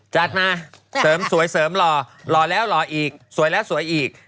จัดมาเสริมสวยเสริมหล่อหล่อแล้วหล่ออีกสวยแล้วสวยอีก